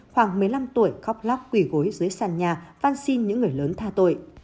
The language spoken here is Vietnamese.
khoảng một mươi năm tuổi khóc lóc quỳ gối dưới sàn nhà văn xin những người lớn tha tội